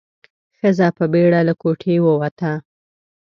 ښځه په بيړه له کوټې ووته.